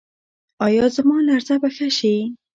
ایا زما لرزه به ښه شي؟